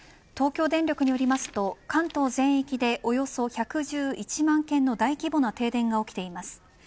東京電力によりますと関東全域でおよそ１１１万軒の大規模な停電が起きています。